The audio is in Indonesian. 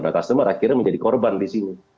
nah customer akhirnya menjadi korban di sini